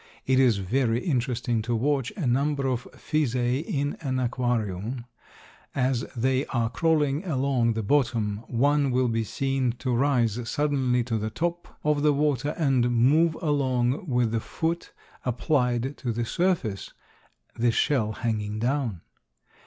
It is very interesting to watch a number of Physae in an aquarium; as they are crawling along the bottom, one will be seen to rise suddenly to the top of the water and move along with the foot applied to the surface, the shell hanging down.